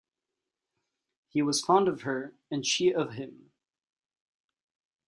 He was fond of her, and she of him.